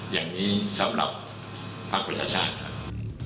อย่างนี้สำหรับภักดิ์ประชาชาติครับ